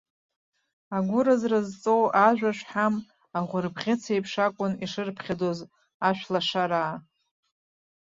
Агәыразра зҵоу ажәа шҳам ахәырбӷьыц еиԥш акәын ишырԥхьаӡоз ашәлашараа.